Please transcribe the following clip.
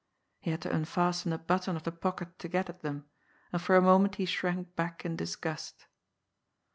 He had to unfasten a button of the pocket to get at them, and for a moment he shrank back in disgust.